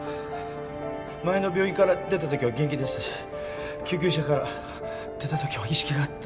前の病院から出た時は元気でしたし救急車から出た時も意識があって。